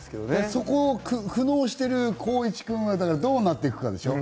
そこに苦悩している光一君がどうなっていくかでしょう？